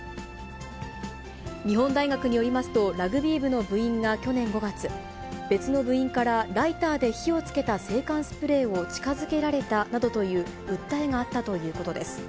日本大学によりますと、ラグビー部の部員が去年５月、別の部員からライターで火をつけた制汗スプレーを近づけられたなどという訴えがあったということです。